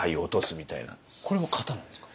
これも型なんですか？